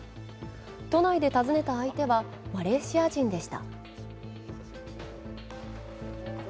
都内で訪ねた相手はマレーシア人でした。